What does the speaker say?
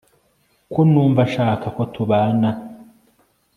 nuko numva nshaka ko tubana